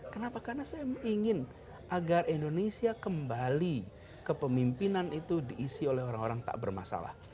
kenapa karena saya ingin agar indonesia kembali kepemimpinan itu diisi oleh orang orang tak bermasalah